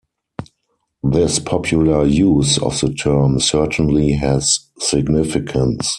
This popular use of the term certainly has significance.